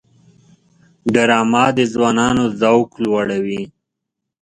ډرامه د ځوانانو ذوق لوړوي